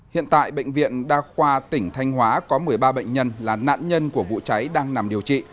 hiện tại bệnh viện đa khoa tỉnh thanh hóa có một mươi ba bệnh nhân là nạn nhân của vụ cháy đang nằm điều trị